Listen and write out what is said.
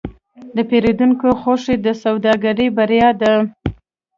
د پیرودونکي خوښي د سوداګر بریا ده.